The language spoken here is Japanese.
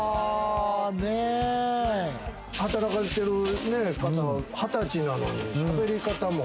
働かれている方、２０歳なのにしゃべり方も。